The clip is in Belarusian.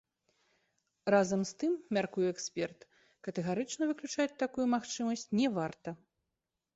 Разам з тым, мяркуе эксперт, катэгарычна выключаць такую магчымасць не варта.